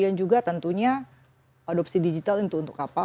dan juga tentunya adopsi digital itu untuk apa